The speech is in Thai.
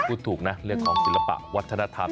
พูดถูกนะเรื่องของศิลปะวัฒนธรรม